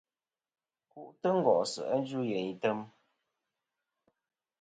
Ku'tɨ ngòsɨ a djuyeyn etm.